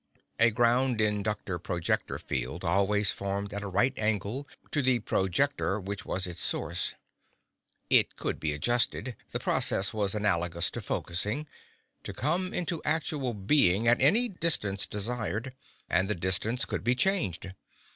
A ground inductor projector field always formed at a right angle to the projector which was its source. It could be adjusted—the process was analogous to focusing—to come into actual being at any distance desired, and the distance could be changed.